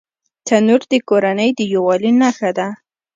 تنور د کورنۍ د یووالي نښه ده